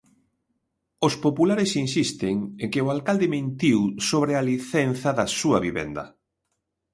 Os populares insisten en que o alcalde mentiu sobre a licenza da súa vivenda.